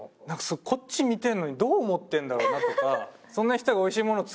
こっち見てるのにどう思ってるんだろうな？とか。